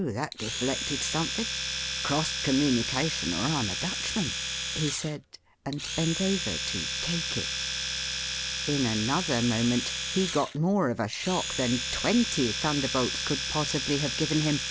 that deflected something crossed communication or I'm a Dutchman!" he said, and bent over to "take it." In another moment he got more of a shock than twenty thunderbolts could possibly have given him.